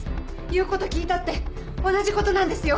言うこと聞いたって同じことなんですよ。